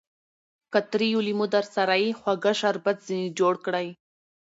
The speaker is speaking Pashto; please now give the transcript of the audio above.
که تريو لېمو درسره يي؛ خواږه شربت ځني جوړ کړئ!